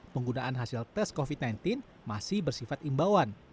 penggunaan hasil tes covid sembilan belas masih bersifat imbauan